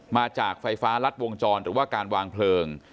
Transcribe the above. มาจากไฟฟ้ารัดวงจรหรือว่าการวางเพลิง